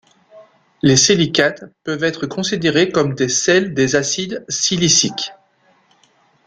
Les silicates peuvent être considérés comme des sels des acides siliciques.